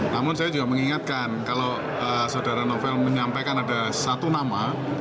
namun saya juga mengingatkan kalau saudara novel menyampaikan ada satu nama